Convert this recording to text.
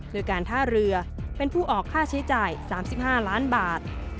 โดยการท่าเรือเป็นผู้ออกค่าใช้จ่าย๓๕ล้านบาท